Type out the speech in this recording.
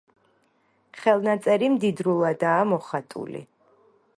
ხელნაწერი მდიდრულადაა მოხატული.